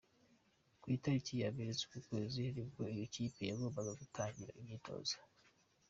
Ku itariki ya mbere z’uku kwezi, nibwo iyo kipe yagombaga gutangira imyitozo.